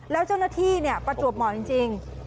แล้วเจ้าหน้าที่ประจวบเหมาะจริง